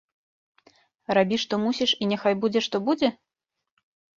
Рабі, што мусіш, і няхай будзе, што будзе?